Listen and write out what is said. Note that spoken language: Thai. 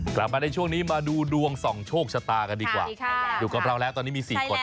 กลับมาในช่วงนี้มาดูดวงส่องโชคชะตากันดีกว่าอยู่กับเราแล้วตอนนี้มี๔คน